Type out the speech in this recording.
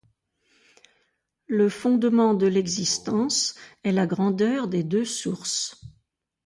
Le fondement de l’Existence est la grandeur des deux Sources.